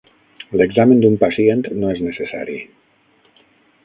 L'examen d'un pacient no és necessari.